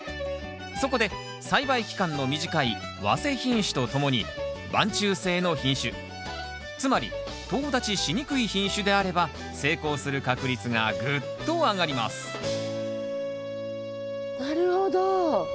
そこで栽培期間の短い早生品種とともに晩抽性の品種つまりとう立ちしにくい品種であれば成功する確率がぐっと上がりますなるほど。